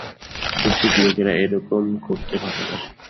কুৎসিত লোকেরা এরকম করতে ভালোবাসে।